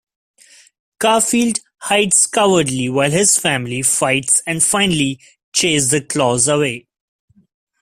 Garfield hides cowardly while his family fights and finally chase the Claws away.